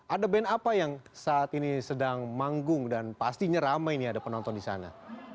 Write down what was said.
ada band apa yang saat ini sedang manggung dan pastinya ramai nih ada penonton di sana